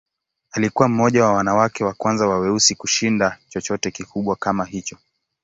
Alikuwa mmoja wa wanawake wa kwanza wa weusi kushinda chochote kikubwa kama hicho.